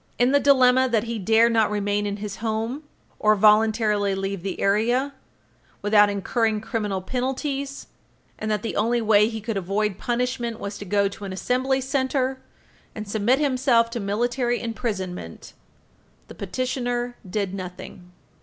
In the dilemma that he dare not remain in his home, or voluntarily leave the area, without incurring criminal penalties, and that the only way he could avoid punishment was to go to an Assembly Center and submit himself to military imprisonment, the petitioner did nothing.